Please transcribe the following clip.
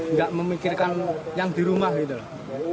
nggak memikirkan yang di rumah gitu loh